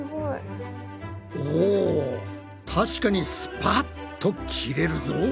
お確かにスパッと切れるぞ！